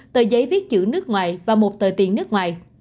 tờ giấy viết chữ nước ngoài và một tờ tiền nước ngoài